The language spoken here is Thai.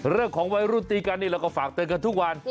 เรื่องของวัยรุตีการเราก็ฝากเติมกันทุกวัน